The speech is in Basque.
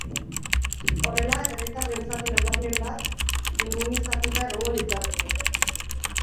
Horrela, herritarren zati nabarmen bat immunizatuta egongo litzateke.